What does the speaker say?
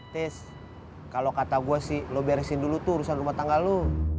tis kalo kata gue sih lo beresin dulu tuh urusan rumah tanggal lo